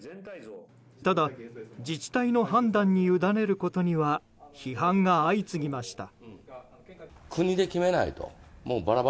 ただ自治体の判断に委ねることには批判が相次ぎました。